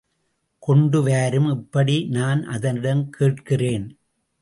கொண்டு வாரும் இப்படி நான் அதனிடம் கேட்கிறேன்.